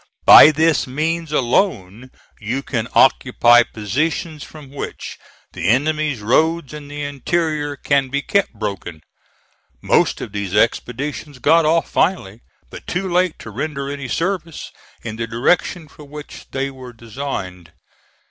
By this means alone you can occupy positions from which the enemy's roads in the interior can be kept broken." Most of these expeditions got off finally, but too late to render any service in the direction for which they were designed.